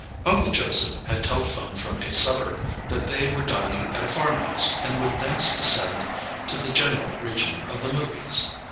Uncle Joseph had telephoned from a suburb that they were dining at a farmhouse and would thence descend to the general region of the movies.